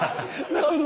なるほど。